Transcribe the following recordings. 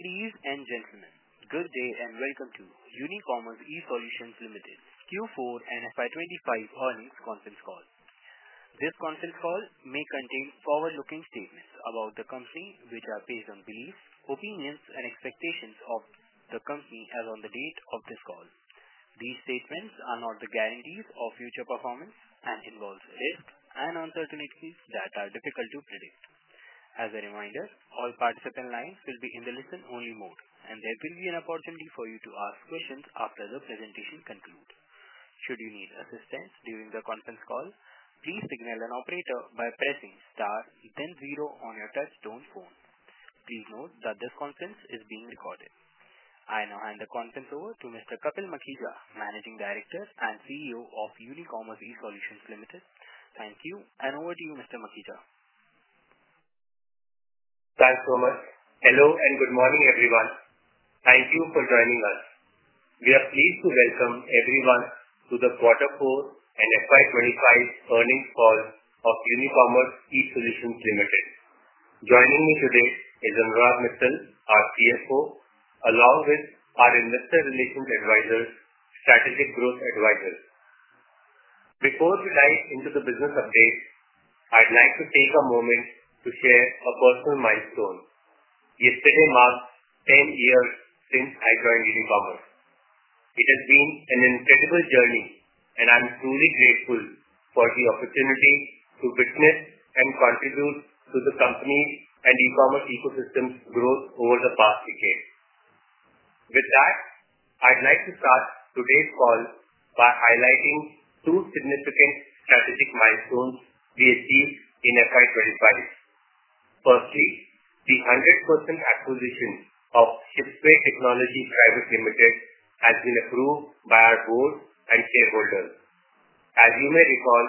Ladies and gentlemen, good day and welcome to Unicommerce eSolutions Limited, Quarter 4 and FY 2025 earnings conference call. This conference call may contain forward-looking statements about the company, which are based on beliefs, opinions, and expectations of the company as of the date of this call. These statements are not the guarantees of future performance and involve risks and uncertainties that are difficult to predict. As a reminder, all participant lines will be in the listen-only mode, and there will be an opportunity for you to ask questions after the presentation concludes. Should you need assistance during the conference call, please signal an operator by pressing star, then zero on your touchstone phone. Please note that this conference is being recorded. I now hand the conference over to Mr. Kapil Makhija, Managing Director and CEO of Unicommerce eSolutions Limited. Thank you, and over to you, Mr. Makhija. Thanks so much. Hello and good morning, everyone. Thank you for joining us. We are pleased to welcome everyone to the Quarter 4 and FY 2025 earnings call of Unicommerce eSolutions Limited. Joining me today is Anurag Mittal, our CFO, along with our Investor Relations advisor, Strategic Growth Advisors. Before we dive into the business update, I'd like to take a moment to share a personal milestone. Yesterday marks 10 years since I joined Unicommerce. It has been an incredible journey, and I'm truly grateful for the opportunity to witness and contribute to the company's and e-commerce ecosystem's growth over the past decade. With that, I'd like to start today's call by highlighting two significant strategic milestones we achieved in FY 2025. Firstly, the 100% acquisition of Shipway Technology Private Limited has been approved by our board and shareholders. As you may recall,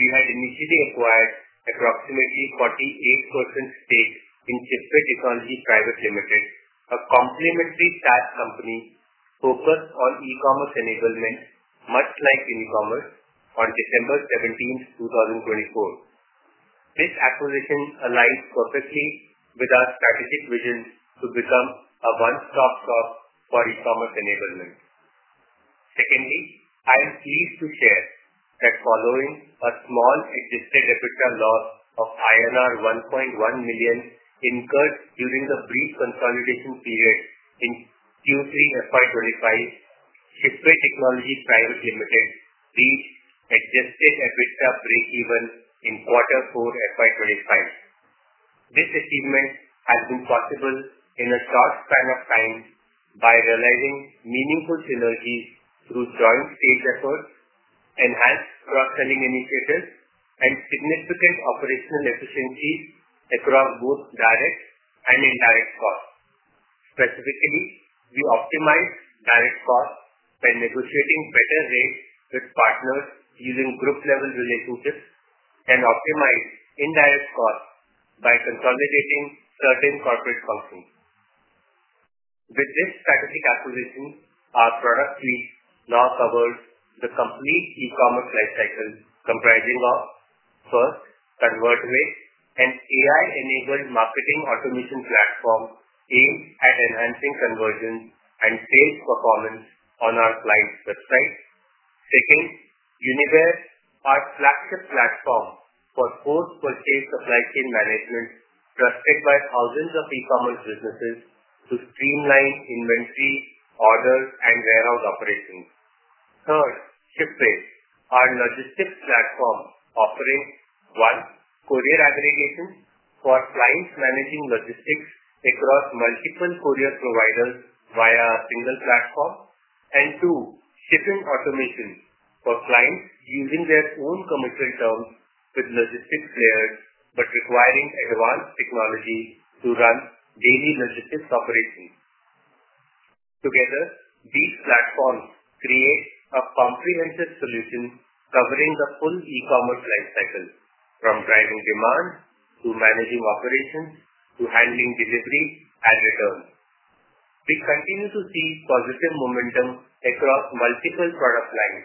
we had initially acquired approximately 48% stake in Shipway Technology Private Limited, a complementary SaaS company focused on e-commerce enablement, much like Unicommerce, on December 17, 2024. This acquisition aligns perfectly with our strategic vision to become a one-stop shop for e-commerce enablement. Secondly, I'm pleased to share that following a small existing EBITDA loss of INR 1.1 million incurred during the brief consolidation period in Q3 FY 2025, Shipway Technology Private Limited reached Adjusted EBITDA break-even in Quarter 4 FY 2025. This achievement has been possible in a short span of time by realizing meaningful synergies through joint stage efforts, enhanced cross-selling initiatives, and significant operational efficiencies across both direct and indirect costs. Specifically, we optimized direct costs by negotiating better rates with partners using group-level relationships and optimized indirect costs by consolidating certain corporate functions. With this strategic acquisition, our product suite now covers the complete e-commerce lifecycle, comprising of, first, ConvertMate, an AI-enabled marketing automation platform aimed at enhancing conversions and sales performance on our client's website. Second, Uniware, our flagship platform for post-purchase supply chain management, trusted by thousands of e-commerce businesses to streamline inventory, order, and warehouse operations. Third, Shipway, our logistics platform, offering: one, courier aggregation for clients managing logistics across multiple courier providers via a single platform; and two, shipping automation for clients using their own commercial terms with logistics layers but requiring advanced technology to run daily logistics operations. Together, these platforms create a comprehensive solution covering the full e-commerce lifecycle, from driving demand to managing operations to handling delivery and return. We continue to see positive momentum across multiple product lines,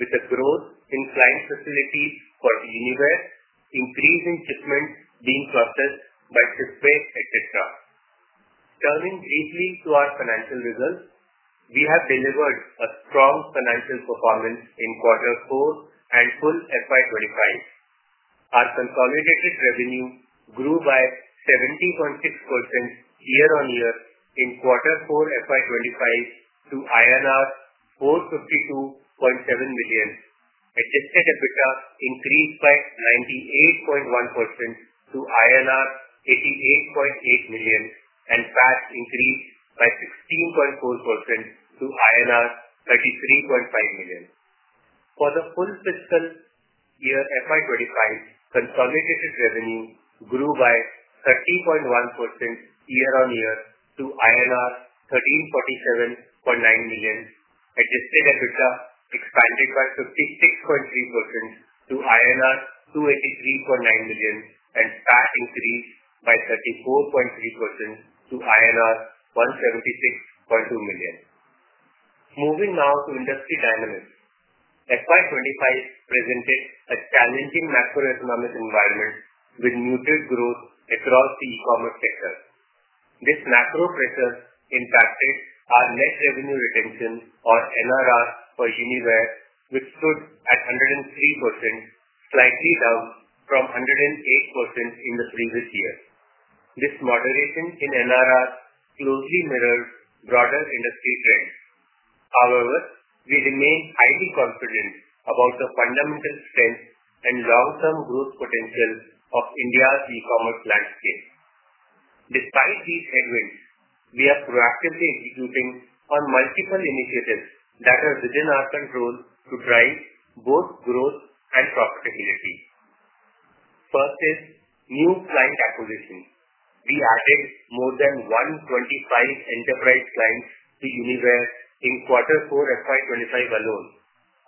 with the growth in client facilities for Uniware, increase in shipments being processed by Shipway, etc. Turning briefly to our financial results, we have delivered a strong financial performance in Quarter 4 and full FY 2025. Our consolidated revenue grew by 70.6% year-on-year in Quarter 4 FY 2025 to INR 452.7 million. Adjusted EBITDA increased by 98.1% to INR 88.8 million and PAT increased by 16.4% to INR 33.5 million. For the full fiscal year FY 2025, consolidated revenue grew by 30.1% year-on-year to INR 1,347.9 million. Adjusted EBITDA expanded by 56.3% to INR 283.9 million and PAT increased by 34.3% to INR 176.2 million. Moving now to industry dynamics, FY 2025 presented a challenging macroeconomic environment with muted growth across the e-commerce sector. This macro pressure impacted our net revenue retention, or NRR, for Uniware, which stood at 103%, slightly down from 108% in the previous year. This moderation in NRR closely mirrors broader industry trends. However, we remain highly confident about the fundamental strength and long-term growth potential of India's e-commerce landscape. Despite these headwinds, we are proactively executing on multiple initiatives that are within our control to drive both growth and profitability. First is new client acquisition. We added more than 125 enterprise clients to Uniware in Quarter 4 FY 2025 alone,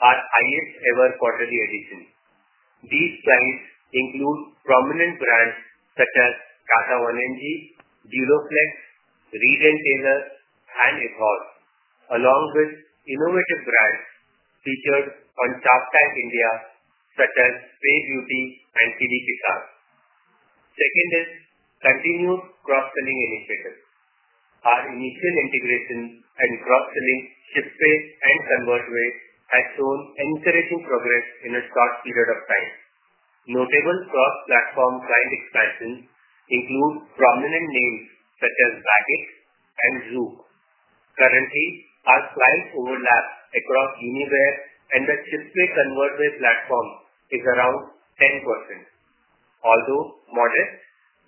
our highest-ever quarterly addition. These clients include prominent brands such as Tata 1mg, Duroflex, Reid & Taylor, and Ecova, along with innovative brands featured on Shark Tank India, such as PayBeauty and Kidzee Kisaan. Second is continued cross-selling initiatives. Our initial integration and cross-selling of Shipway and ConvertMate has shown encouraging progress in a short period of time. Notable cross-platform client expansions include prominent names such as Bagix and Zoop. Currently, our clients' overlap across Uniware and the Shipway-ConvertMate platform is around 10%. Although modest,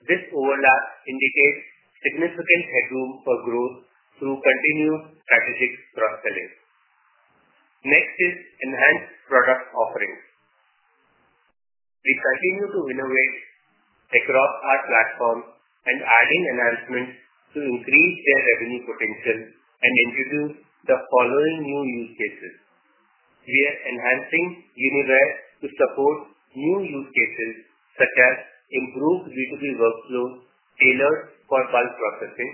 this overlap indicates significant headroom for growth through continued strategic cross-selling. Next is enhanced product offerings. We continue to innovate across our platform and adding enhancements to increase their revenue potential and introduce the following new use cases. We are enhancing Uniware to support new use cases such as improved B2B workflows tailored for bulk processing,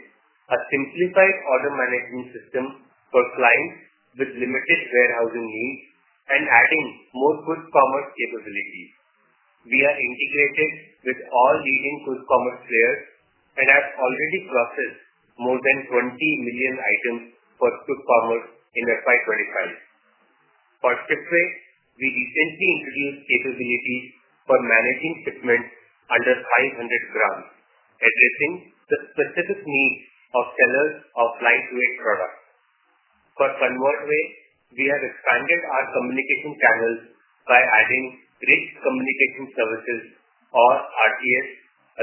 a simplified order management system for clients with limited warehousing needs, and adding more quick commerce capabilities. We are integrated with all leading quick commerce players and have already processed more than 20 million items for quick commerce in FY 2025. For Shipway, we recently introduced capabilities for managing shipments under 500 grams, addressing the specific needs of sellers of lightweight products. For ConvertMate, we have expanded our communication channels by adding rich communication services, or RCS,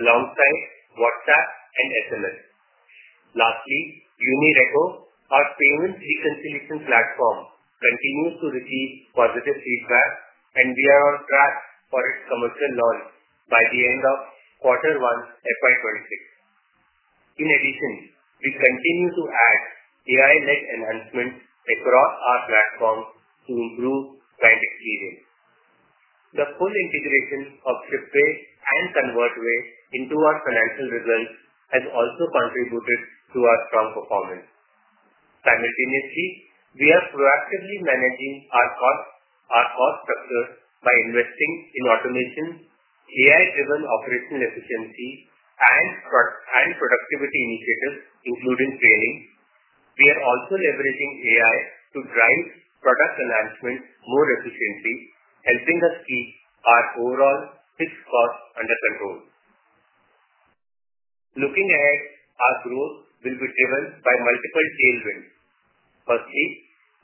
alongside WhatsApp and SMS. Lastly, UniReco, our payments reconciliation platform, continues to receive positive feedback, and we are on track for its commercial launch by the end of Q1 FY 2026. In addition, we continue to add AI-led enhancements across our platform to improve client experience. The full integration of Shipway and ConvertMate into our financial results has also contributed to our strong performance. Simultaneously, we are proactively managing our cost structure by investing in automation, AI-driven operational efficiency, and productivity initiatives, including scaling. We are also leveraging AI to drive product enhancement more efficiently, helping us keep our overall fixed cost under control. Looking ahead, our growth will be driven by multiple tailwinds. Firstly,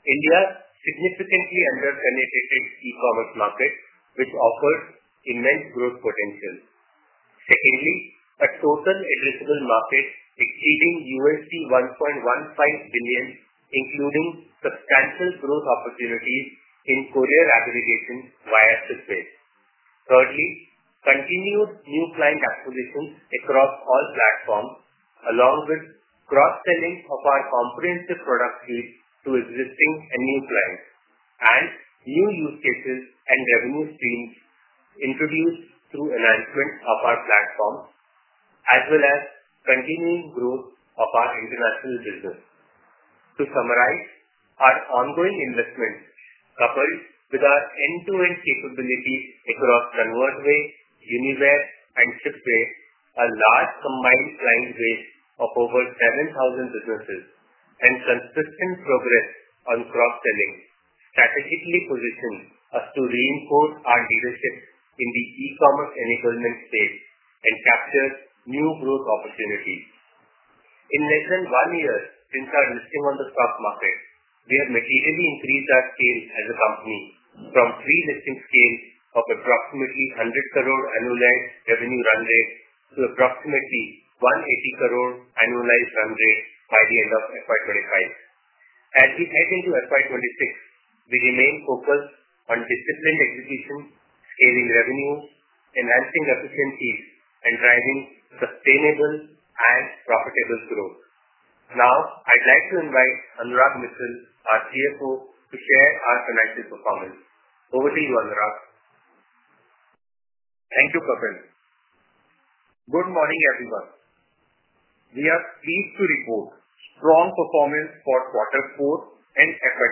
India's significantly under-penetrated e-commerce market, which offers immense growth potential. Secondly, a total addressable market exceeding $1.15 billion, including substantial growth opportunities in courier aggregation via Shipway. Thirdly, continued new client acquisitions across all platforms, along with cross-selling of our comprehensive product suite to existing and new clients, and new use cases and revenue streams introduced through enhancements of our platform, as well as continuing growth of our international business. To summarize, our ongoing investments, coupled with our end-to-end capabilities across ConvertMate, Uniware, and Shipway, a large combined client base of over 7,000 businesses, and consistent progress on cross-selling, strategically position us to reinforce our leadership in the e-commerce enablement stage and capture new growth opportunities. In less than one year since our listing on the stock market, we have materially increased our scale as a company from pre-listing scale of approximately 100 crore annualized revenue run rate to approximately 180 crore annualized run rate by the end of FY 2025. As we head into FY 2026, we remain focused on disciplined execution, scaling revenue, enhancing efficiencies, and driving sustainable and profitable growth. Now, I'd like to invite Anurag Mittal, our CFO, to share our financial performance. Over to you, Anurag. Thank you, Kapil. Good morning, everyone. We are pleased to report strong performance for Quarter 4 and FY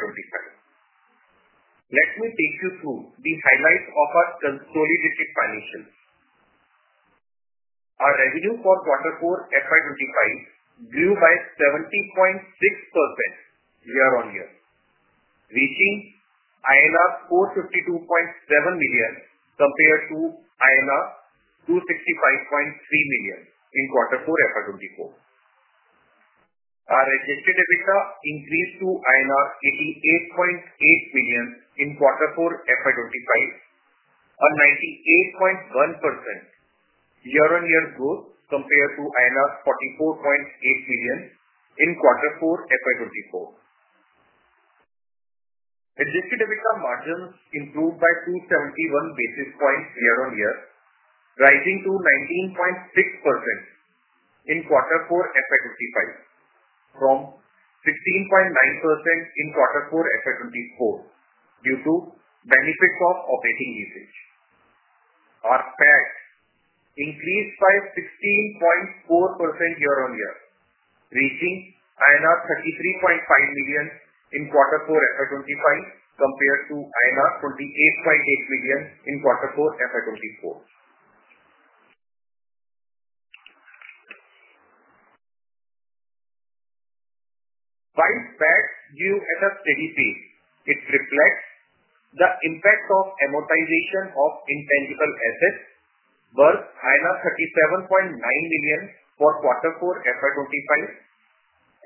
2025. Let me take you through the highlights of our consolidated financials. Our revenue for Quarter 4 FY 2025 grew by 70.6% year-on-year, reaching INR 452.7 million compared to INR 265.3 million in Quarter 4 FY 2024. Our Adjusted EBITDA increased to INR 88.8 million in Quarter 4 FY 2025, a 98.1% year-on-year growth compared to INR 44.8 million in Quarter 4 FY 2024. Adjusted EBITDA margins improved by 271 basis points year-on-year, rising to 19.6% in Quarter 4 FY 2025, from 16.9% in Quarter 4 FY 2024 due to benefits of operating usage. Our PAT increased by 16.4% year-on-year, reaching INR 33.5 million in Quarter 4 FY 2025 compared to INR 28.8 million in Quarter 4 FY 2024. While PAT grew at a steady pace, it reflects the impact of amortization of intangible assets, worth INR 37.9 million for Quarter 4 FY 2025,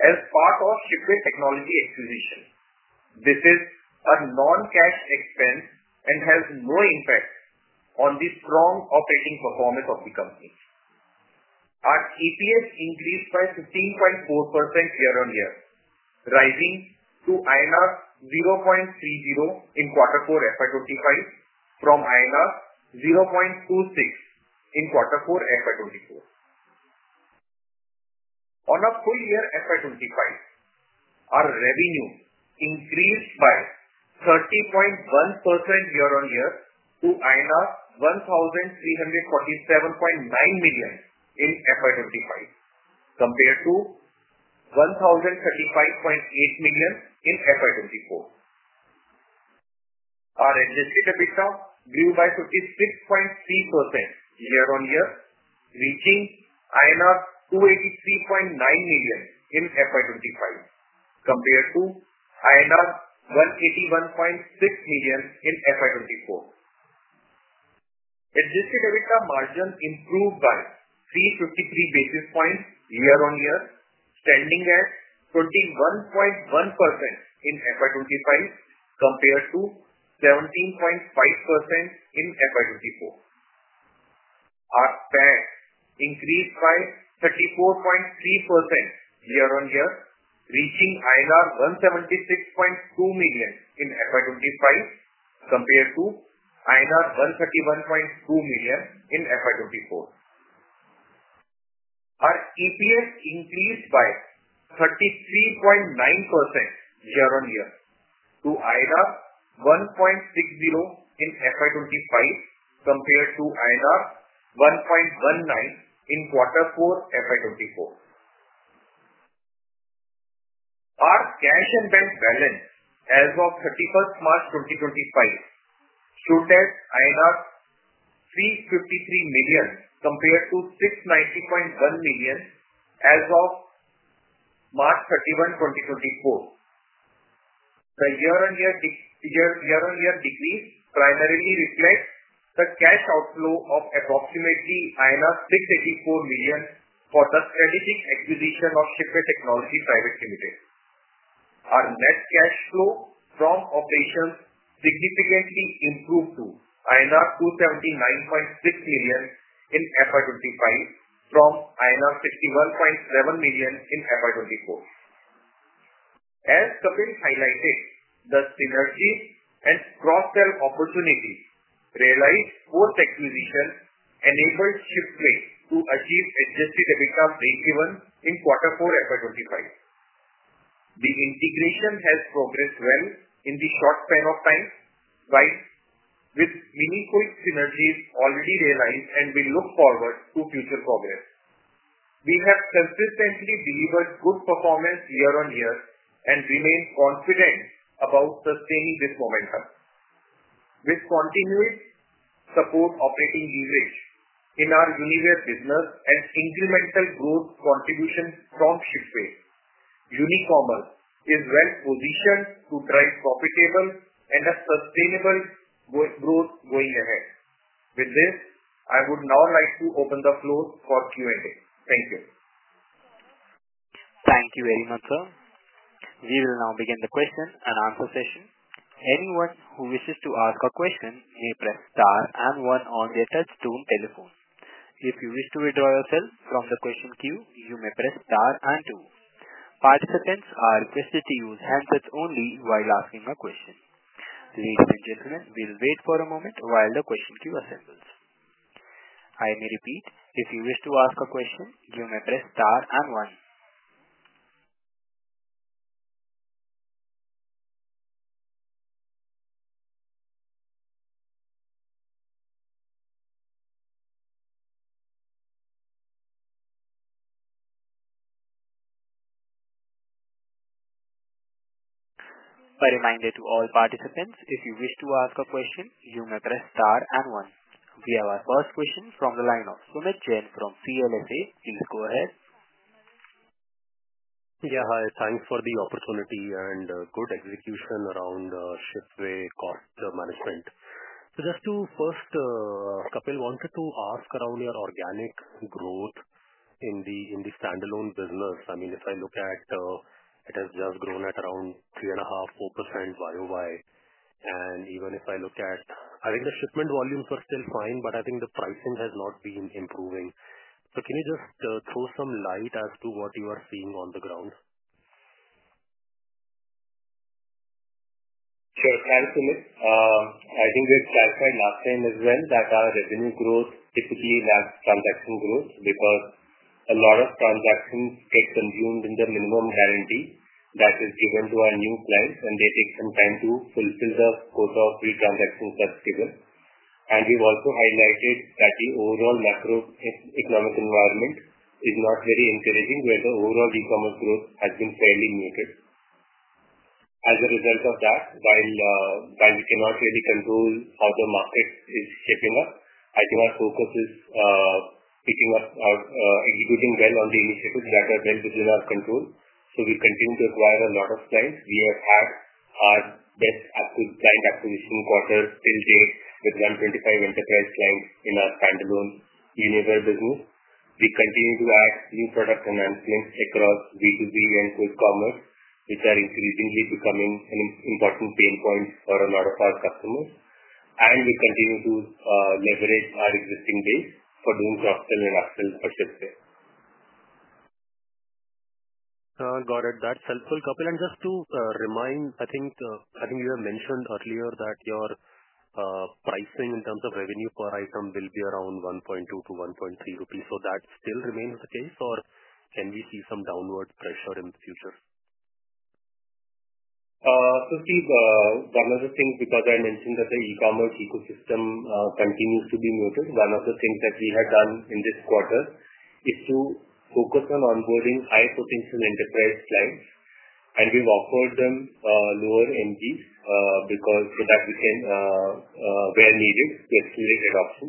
as part of Shipway technology acquisition. This is a non-cash expense and has no impact on the strong operating performance of the company. Our EPS increased by 15.4% year-on-year, rising to INR 0.30 in Quarter 4 FY 2025, from INR 0.26 in Quarter 4 FY 2024. On a full year FY 2025, our revenue increased by 30.1% year-on-year to INR 1,347.9 million in FY 2025, compared to 1,035.8 million in FY 2024. Our Adjusted EBITDA grew by 56.3% year-on-year, reaching INR 283.9 million in FY 2025, compared to INR 181.6 million in FY 2024. Adjusted EBITDA margin improved by 353 basis points year-on-year, standing at 21.1% in FY 2025, compared to 17.5% in FY 2024. Our PAT increased by 34.3% year-on-year, reaching INR 176.2 million in FY 2025, compared to INR 131.2 million in FY 2024. Our EPS increased by 33.9% year-on-year to 1.60 in FY 2025, compared to 1.19 in Quarter 4 FY 2024. Our cash and bank balance as of 31 March 2025 should have INR 353 million compared to 690.1 million as of March 31, 2024. The year-on-year decrease primarily reflects the cash outflow of approximately 684 million for the strategic acquisition of Shipway Technology Private Limited. Our net cash flow from operations significantly improved to INR 279.6 million in FY 2025, from INR 61.7 million in FY 2024. As Kapil highlighted, the synergies and cross-sell opportunities realized post-acquisition enabled Shipway to achieve Adjusted EBITDA breakeven in Quarter 4 FY 2025. The integration has progressed well in the short span of time, with meaningful synergies already realized and we look forward to future progress. We have consistently delivered good performance year-on-year and remain confident about sustaining this momentum. With continued support operating usage in our Uniware business and incremental growth contributions from Shipway, Unicommerce is well positioned to drive profitable and a sustainable growth going ahead. With this, I would now like to open the floor for Q&A. Thank you. Thank you very much, sir. We will now begin the question and answer session. Anyone who wishes to ask a question may press star and one on their touchstone telephone. If you wish to withdraw yourself from the question queue, you may press star and two. Participants are requested to use handsets only while asking a question. Ladies and gentlemen, we'll wait for a moment while the question queue assembles. I may repeat, if you wish to ask a question, you may press star and one. A reminder to all participants, if you wish to ask a question, you may press star and one. We have our first question from the line of Sumeet Jain from CLSA. Please go ahead. Yeah, hi. Thanks for the opportunity and good execution around Shipway cost management. Just to first, Kapil, wanted to ask around your organic growth in the standalone business. I mean, if I look at it, it has just grown at around 3.5%-4% YoY. Even if I look at, I think the shipment volumes were still fine, but I think the pricing has not been improving. Can you just throw some light as to what you are seeing on the ground? Sure. Thanks, Sumeet. I think we've clarified last time as well that our revenue growth typically lags transaction growth because a lot of transactions get consumed in the minimum guarantee that is given to our new clients, and they take some time to fulfill the quota of three transactions that's given. We've also highlighted that the overall macroeconomic environment is not very encouraging, where the overall e-commerce growth has been fairly muted. As a result of that, while we cannot really control how the market is shaping up, I think our focus is picking up our executing well on the initiatives that are well within our control. We continue to acquire a lot of clients. We have had our best client acquisition quarter to date with 125 enterprise clients in our standalone Uniware business. We continue to add new product enhancements across B2B and good commerce, which are increasingly becoming an important pain point for a lot of our customers. We continue to leverage our existing base for doing cross-sell and upsell for Shipway. Got it. That's helpful, Kapil. Just to remind, I think you have mentioned earlier that your pricing in terms of revenue per item will be around 1.2-1.3 rupees. That still remains the case, or can we see some downward pressure in the future? See, one of the things because I mentioned that the e-commerce ecosystem continues to be muted, one of the things that we had done in this quarter is to focus on onboarding high-potential enterprise clients. We have offered them lower MGs so that we can, where needed, to escalate adoption.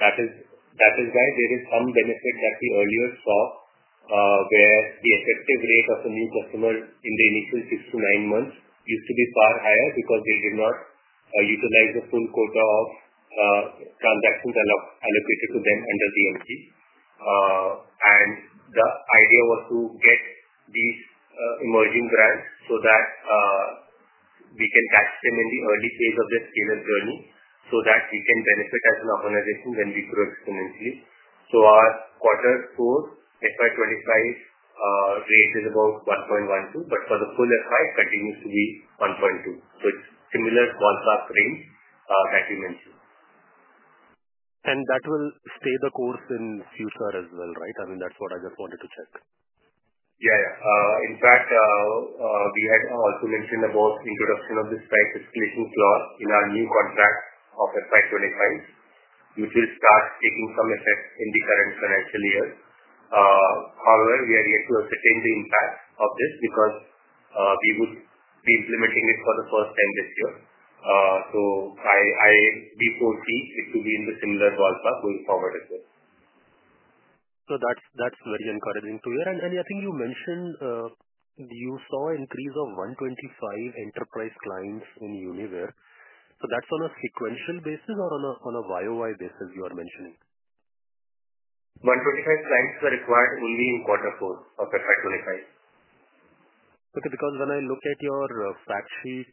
That is why there is some benefit that we earlier saw, where the effective rate of a new customer in the initial six to nine months used to be far higher because they did not utilize the full quota of transactions allocated to them under the MG. The idea was to get these emerging brands so that we can catch them in the early phase of their scaling journey so that we can benefit as an organization when we grow exponentially. Our quarter four FY 2025 rate is about 1.12, but for the full FY, it continues to be 1.2. It is a similar call-class range that you mentioned. That will stay the course in future as well, right? I mean, that is what I just wanted to check. Yeah, yeah. In fact, we had also mentioned about introduction of this price escalation clause in our new contract of FY 2025, which will start taking some effect in the current financial year. However, we are yet to ascertain the impact of this because we would be implementing it for the first time this year. I foresee it to be in the similar call-class going forward as well. That's very encouraging to hear. I think you mentioned you saw an increase of 125 enterprise clients in Uniware. That's on a sequential basis or on a year-over-year basis you are mentioning? 125 clients were acquired only in Quarter 4 of FY 2025. Okay. Because when I look at your factsheet,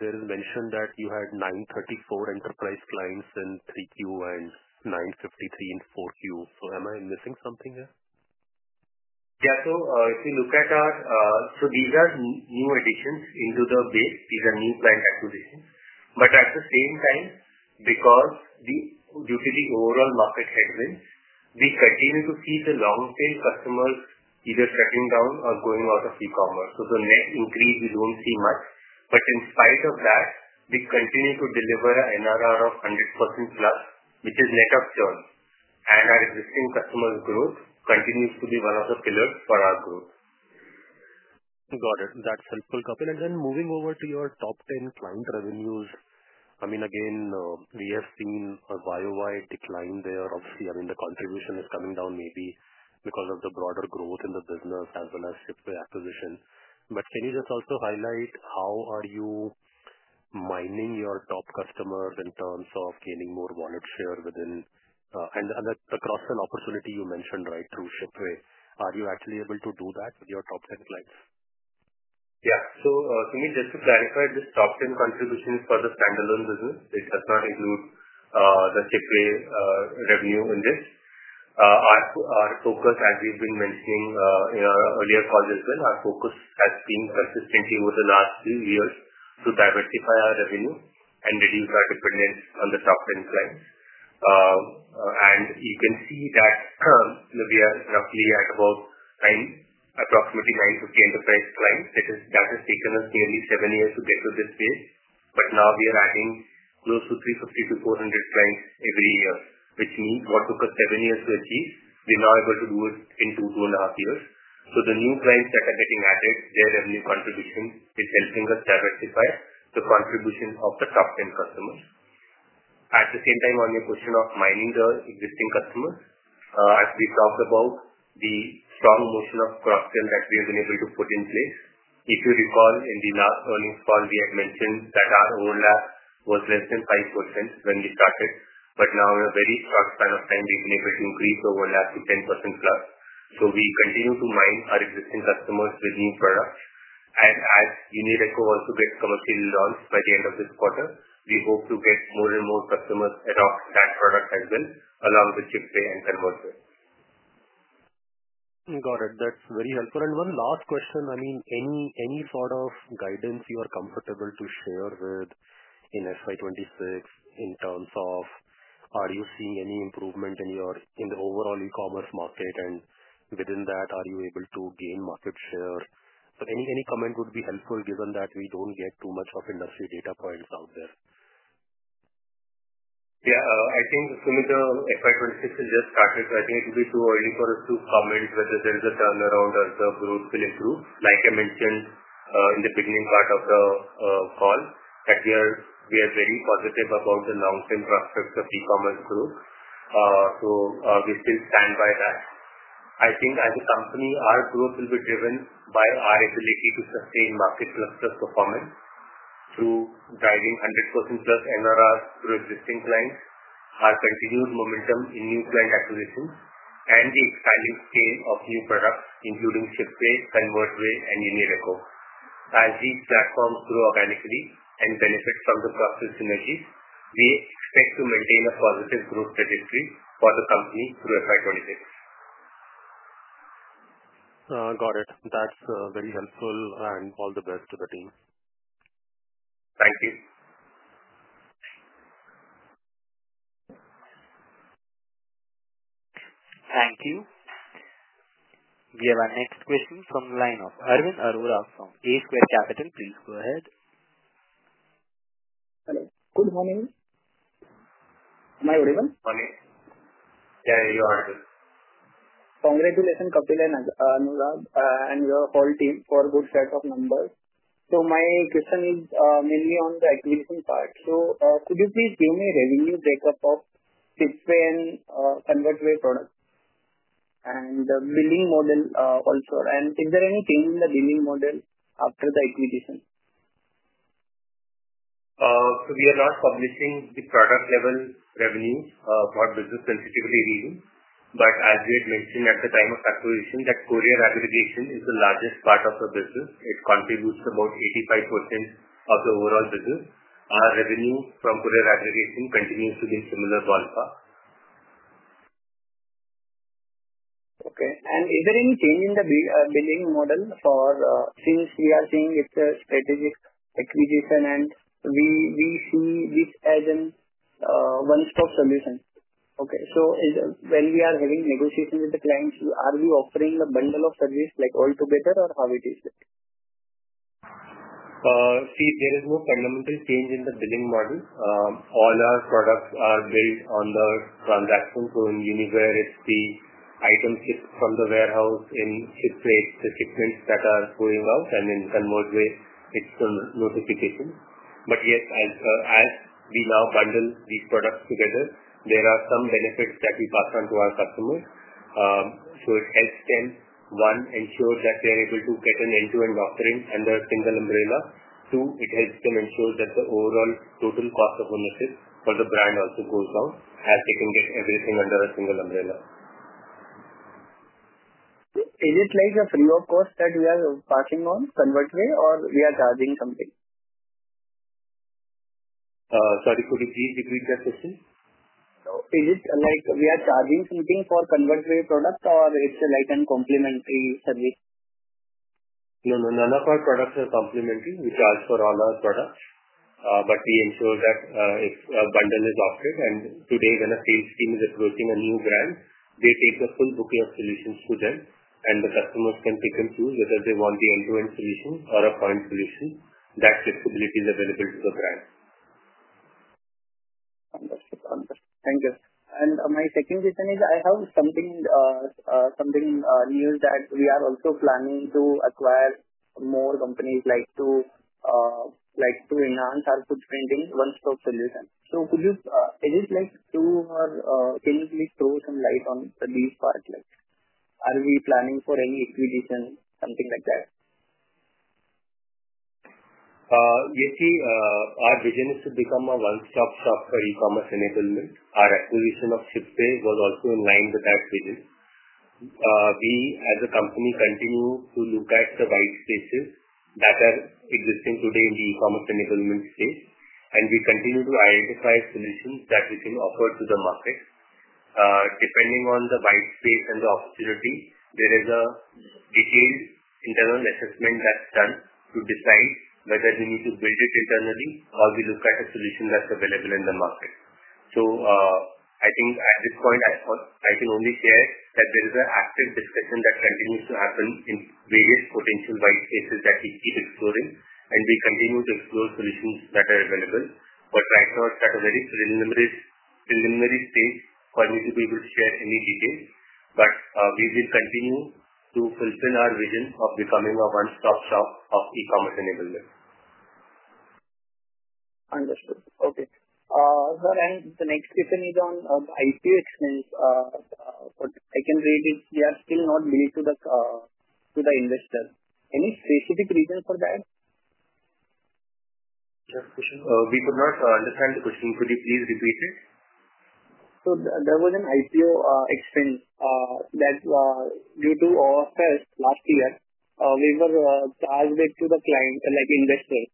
there is mention that you had 934 enterprise clients in Q3 and 953 in Quarter 4. Am I missing something here? Yeah. If you look at our, these are new additions into the base. These are new client acquisitions. At the same time, because due to the overall market headwinds, we continue to see the long-tail customers either shutting down or going out of e-commerce. The net increase, we do not see much. In spite of that, we continue to deliver an NRR of 100% plus, which is net of churn. Our existing customer growth continues to be one of the pillars for our growth. Got it. That is helpful, Kapil. Moving over to your top 10 client revenues, I mean, again, we have seen a YoY decline there. Obviously, the contribution is coming down maybe because of the broader growth in the business as well as Shipway acquisition. Can you just also highlight how you are mining your top customers in terms of gaining more wallet share within and the cross-sell opportunity you mentioned, right, through Shipway? Are you actually able to do that with your top 10 clients? Yeah. Sumeet, just to clarify, this top 10 contribution is for the standalone business. It does not include the Shipway revenue in this. Our focus, as we have been mentioning in our earlier calls as well, has been consistently over the last few years to diversify our revenue and reduce our dependence on the top 10 clients. You can see that we are roughly at about 950 enterprise clients. That has taken us nearly seven years to get to this base. Now we are adding close to 350-400 clients every year, which means what took us seven years to achieve, we're now able to do it in two, two and a half years. The new clients that are getting added, their revenue contribution is helping us diversify the contribution of the top 10 customers. At the same time, on your question of mining the existing customers, as we talked about the strong motion of cross-sell that we have been able to put in place. If you recall, in the last earnings call, we had mentioned that our overlap was less than 5% when we started. Now, in a very short span of time, we've been able to increase the overlap to 10% plus. We continue to mine our existing customers with new products. As UniReco also gets commercial launch by the end of this quarter, we hope to get more and more customers adopt that product as well, along with Shipway and Converter. Got it. That's very helpful. One last question. I mean, any sort of guidance you are comfortable to share with in FY 2026 in terms of are you seeing any improvement in the overall e-commerce market, and within that, are you able to gain market share? Any comment would be helpful given that we do not get too much of industry data points out there. Yeah. I think, Sumeet, FY 2026 has just started, so I think it will be too early for us to comment whether there is a turnaround or the growth will improve. Like I mentioned in the beginning part of the call, we are very positive about the long-term prospects of e-commerce growth. We still stand by that. I think as a company, our growth will be driven by our ability to sustain market-plus-plus performance through driving 100%+ NRRs through existing clients, our continued momentum in new client acquisitions, and the expanding scale of new products, including Shipway, ConvertMate, and UniReco. As these platforms grow organically and benefit from the cross-sell synergies, we expect to maintain a positive growth trajectory for the company through FY 2026. Got it. That is very helpful, and all the best to the team. Thank you. Thank you. We have our next question from the line of Arvind Arora from A Square Capital. Please go ahead. Hello. Good morning. Am I audible? Morning. Yeah, you are good. Congratulations, Kapil and Anurag, and your whole team for a good set of numbers. My question is mainly on the acquisition part. Could you please give me a revenue breakup of Shipway and ConvertMate products and the billing model also? Is there any change in the billing model after the acquisition? We are not publishing the product-level revenues for business-sensitivity reasons. As we had mentioned at the time of acquisition, courier aggregation is the largest part of the business. It contributes about 85% of the overall business. Our revenue from courier aggregation continues to be similar call-class. Okay. Is there any change in the billing model since we are seeing it's a strategic acquisition and we see this as a one-stop solution? When we are having negotiations with the clients, are we offering a bundle of service all together, or how is it? There is no fundamental change in the billing model. All our products are built on the transactions. In Uniware, it's the items shipped from the warehouse. In Shipway, the shipments are going out, and in ConvertMate, it's the notification. Yes, as we now bundle these products together, there are some benefits that we pass on to our customers. It helps them, one, ensure that they're able to get an end-to-end offering under a single umbrella. Two, it helps them ensure that the overall total cost of ownership for the brand also goes down as they can get everything under a single umbrella. Is it like a free-of-cost that we are passing on ConvertMate, or are we charging something? Sorry, could you please repeat that question? Is it like we are charging something for ConvertMate products, or is it a complementary service? No, no. None of our products are complementary. We charge for all our products. We ensure that if a bundle is offered, and today, when a sales team is approaching a new brand, they take the full booking of solutions to them, and the customers can pick and choose whether they want the end-to-end solution or a point solution. That flexibility is available to the brand. Understood. Thank you. My second question is, I have something new that we are also planning to acquire more companies to enhance our footprint in one-stop solution. Is it like, can you please throw some light on this part? Are we planning for any acquisition, something like that? Yes, see, our vision is to become a one-stop shop for e-commerce enablement. Our acquisition of Shipway was also in line with that vision. We, as a company, continue to look at the white spaces that are existing today in the e-commerce enablement space, and we continue to identify solutions that we can offer to the market. Depending on the white space and the opportunity, there is a detailed internal assessment that's done to decide whether we need to build it internally or we look at a solution that's available in the market. I think at this point, I can only share that there is an active discussion that continues to happen in various potential white spaces that we keep exploring, and we continue to explore solutions that are available. Right now, it's at a very preliminary stage for me to be able to share any details. We will continue to fulfill our vision of becoming a one-stop shop of e-commerce enablement. Understood. Okay. Sir, and the next question is on IPO expense. I can read it. We are still not billed to the investor. Any specific reason for that? Sorry, question. We could not understand the question. Could you please repeat it? There was an IPO expense that due to our first last year, we were charged to the client, like investor,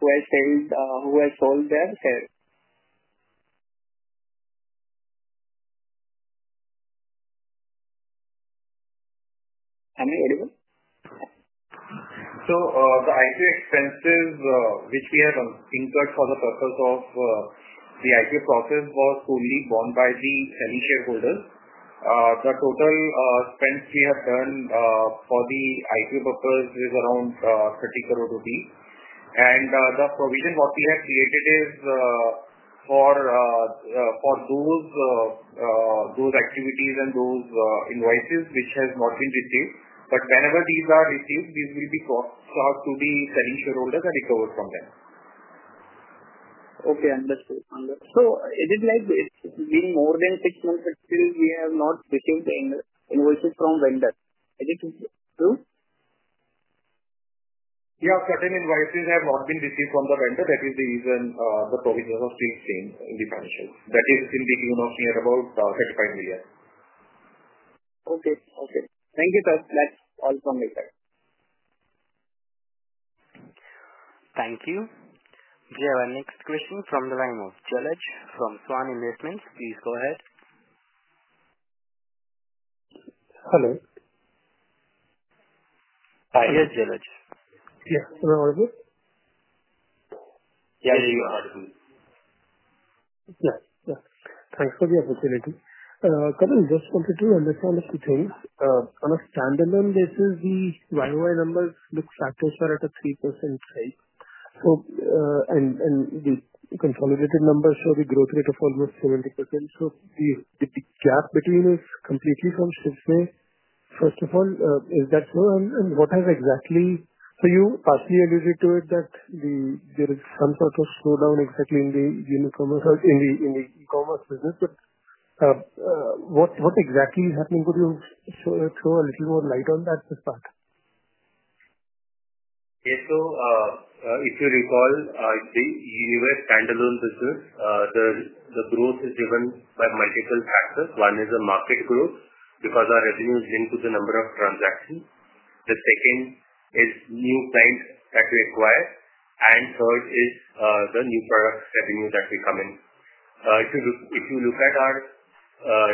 who has sold their shares. Am I audible? The IPO expenses, which we have incurred for the purpose of the IPO process, were solely borne by the selling shareholders. The total expense we have done for the IPO purpose is around 30 crore rupees. The provision we have created is for those activities and those invoices, which have not been received. Whenever these are received, these will be charged to the selling shareholders and recovered from them. Okay. Understood. Understood. Is it like it has been more than six months and we have not received the invoices from vendors? Is it true? Yeah. Certain invoices have not been received from the vendor. That is the reason the provision was being changed in the financials. That is in the tune of 35 million. Okay. Okay. Thank you, sir. That is all from my side. Thank you. We have our next question from the line of Jelaj from Svan Investments. Please go ahead. Hello. Hi. Yes, Jelaj. Yes. Hello. Are you good? Yes, you are audible. Yes. Yes. Thanks for the opportunity. Kapil, just wanted to understand a few things. On a standalone basis, the YoY numbers look satisfied at a 3% rate. And the consolidated numbers show the growth rate of almost 70%. The gap between is completely from Shipway. First of all, is that so? What has exactly, so you partially alluded to it, that there is some sort of slowdown exactly in the e-commerce business. What exactly is happening? Could you throw a little more light on that part? Yes. If you recall, the Uniware standalone business, the growth is driven by multiple factors. One is the market growth because our revenue is linked to the number of transactions. The second is new clients that we acquire. Third is the new product revenue that we come in. If you look at our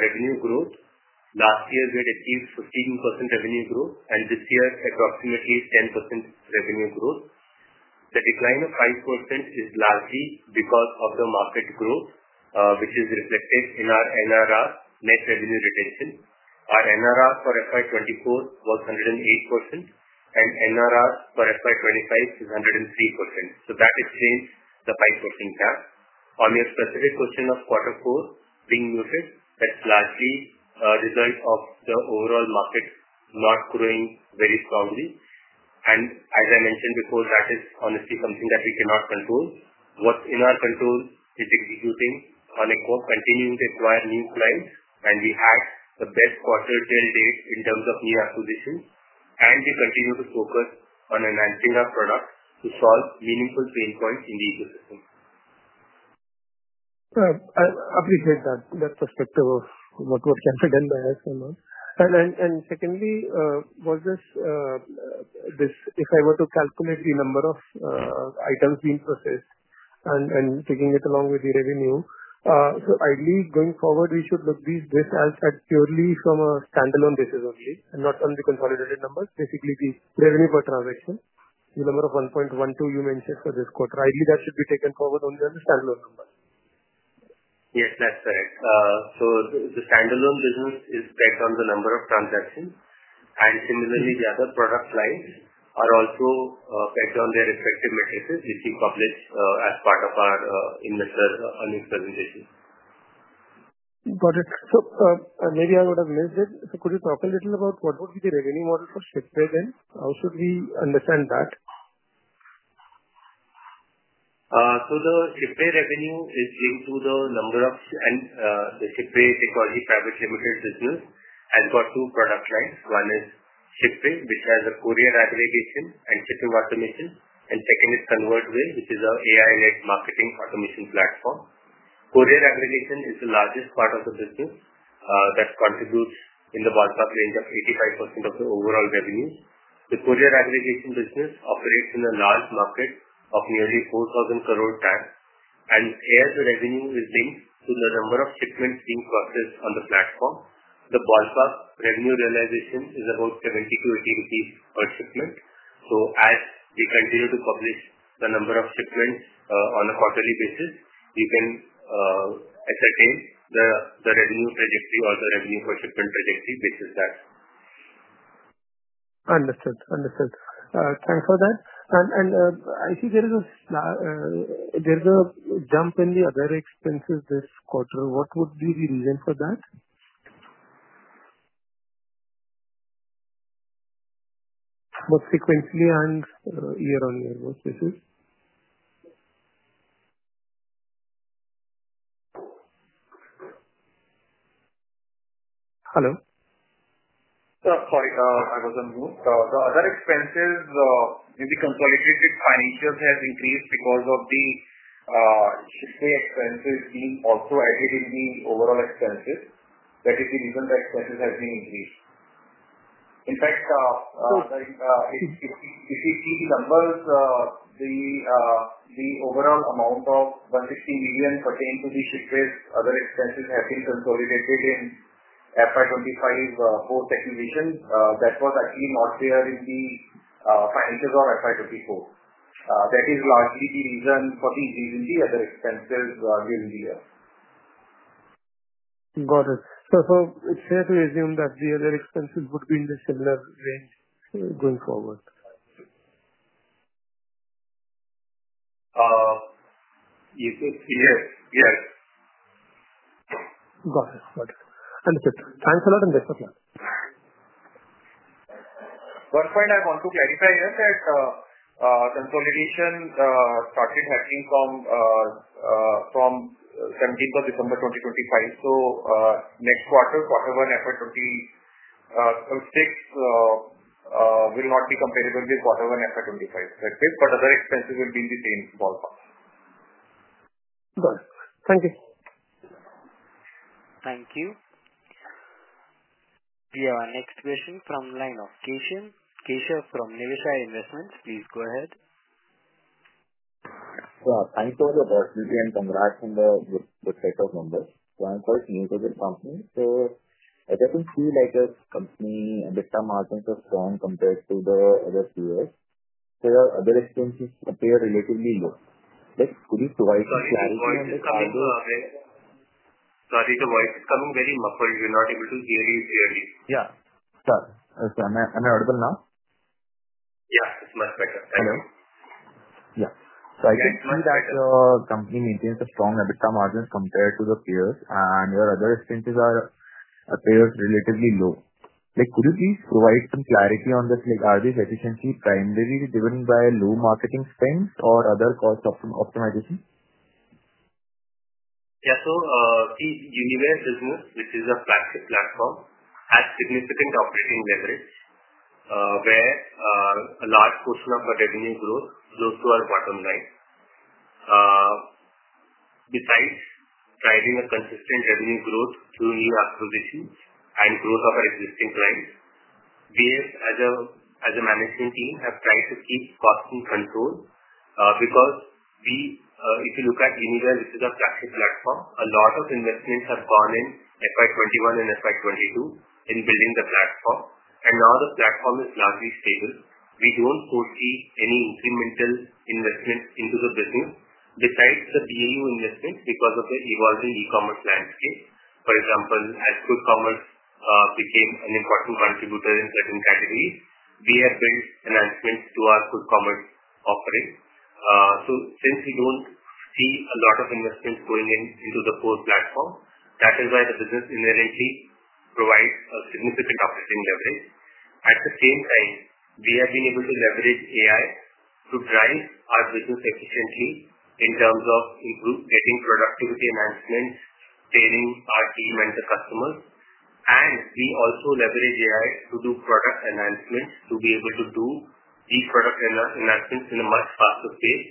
revenue growth, last year, we had achieved 15% revenue growth, and this year, approximately 10% revenue growth. The decline of 5% is largely because of the market growth, which is reflected in our NRR, net revenue retention. Our NRR for FY 2024 was 108%, and NRR for FY 2025 is 103%. That has changed the 5% gap. On your specific question of quarter four being muted, that's largely a result of the overall market not growing very strongly. As I mentioned before, that is honestly something that we cannot control. What's in our control is executing on and continuing to acquire new clients, and we had the best quarter till date in terms of new acquisitions. We continue to focus on enhancing our product to solve meaningful pain points in the ecosystem. I appreciate that perspective of what was considered by us. Secondly, if I were to calculate the number of items being processed and taking it along with the revenue, ideally, going forward, we should look at this purely from a standalone basis only and not on the consolidated numbers. Basically, the revenue per transaction, the number of 1.12 you mentioned for this quarter, ideally, that should be taken forward only on the standalone numbers. Yes, that's correct. The standalone business is backed on the number of transactions. Similarly, the other product lines are also backed on their respective metrics, which we published as part of our investor on this presentation. Got it. Maybe I would have missed it. Could you talk a little about what would be the revenue model for Shipway then? How should we understand that? The Shipway revenue is linked to the number of, and the Shipway Technology Private Limited business has got two product lines. One is Shipway, which has courier aggregation and shipping automation. Second is ConvertMate, which is an AI-led marketing automation platform. Courier aggregation is the largest part of the business that contributes in the ballpark range of 85% of the overall revenue. The courier aggregation business operates in a large market of nearly 4,000 crore and where the revenue is linked to the number of shipments being processed on the platform. The ballpark revenue realization is about 70-80 rupees per shipment. As we continue to publish the number of shipments on a quarterly basis, you can ascertain the revenue trajectory or the revenue per shipment trajectory based on that. Understood. Understood. Thanks for that. I see there is a jump in the other expenses this quarter. What would be the reason for that? What frequency and year-on-year basis? Hello? Sorry, I was on mute. The other expenses, the consolidated financials have increased because of the Shipway expenses being also added in the overall expenses. That is the reason the expenses have been increased. In fact, if you see the numbers, the overall amount of 150 million pertaining to the Shipway other expenses have been consolidated in FY 2025 post-acquisition. That was actually not there in the financials of FY 2024. That is largely the reason for the increase in the other expenses during the year. Got it. So it's fair to assume that the other expenses would be in the similar range going forward? Yes. Yes. Got it. Got it. Understood. Thanks a lot and best of luck. One point I want to clarify here is that consolidation started happening from 17th of December 2025. So next quarter, quarter one FY 2026 will not be comparable with quarter one FY 2025. Other expenses will be in the same ballpark. Got it. Thank you. Thank you. We have our next question from the line of Keshav. Thanks for the opportunity and congrats on the set of numbers. I'm quite new to this company. I definitely feel like this company, the return margins are strong compared to the other players. Your other expenses appear relatively low. Could you provide some clarity on the card? Sorry, the voice is coming very muffled. You're not able to hear you clearly. Am I audible now? Yeah. It's much better. Thank you. I can see that your company maintains a strong EBITDA margin compared to the peers, and your other expenses appear relatively low. Could you please provide some clarity on this? Are these efficiencies primarily driven by low marketing spend or other cost optimization? Yeah. The Uniware business, which is a flagship platform, has significant operating leverage, where a large portion of our revenue grows those who are bottom line. Besides driving a consistent revenue growth through new acquisitions and growth of our existing clients, we as a management team have tried to keep costs in control because if you look at Uniware, which is a flagship platform, a lot of investments have gone in FY 2021 and FY 2022 in building the platform. Now the platform is largely stable. We do not foresee any incremental investments into the business besides the BAU investments because of the evolving e-commerce landscape. For example, as Quick Commerce became an important contributor in certain categories, we have built enhancements to our Quick Commerce offering. Since we do not see a lot of investments going into the core platform, that is why the business inherently provides a significant operating leverage. At the same time, we have been able to leverage AI to drive our business efficiently in terms of improved productivity enhancements, training our team and the customers. We also leverage AI to do product enhancements to be able to do these product enhancements at a much faster pace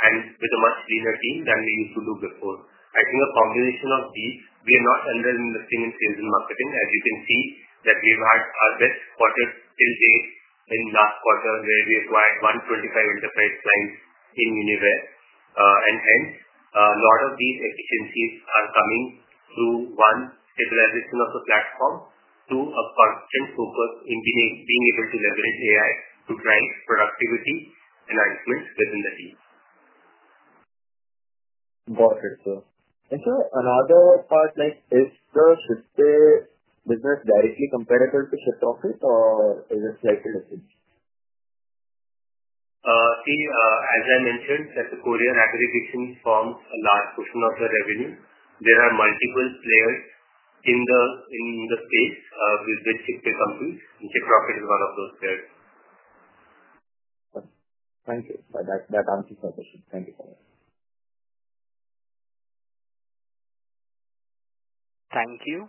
and with a much leaner team than we used to do before. I think a combination of these, we are not underinvesting in sales and marketing. As you can see, we've had our best quarter till date in last quarter, where we acquired 125 enterprise clients in Uniware. Hence, a lot of these efficiencies are coming through one, stabilization of the platform, two, a constant focus in being able to leverage AI to drive productivity enhancements within the team. Got it, sir. Sir, another part, is the Shipway business directly comparable to Shiprocket, or is it slightly different? See, as I mentioned, the courier aggregation forms a large portion of the revenue. There are multiple players in the space within Shipway companies, and Shiprocket is one of those players. Thank you. That answers my question. Thank you so much. Thank you.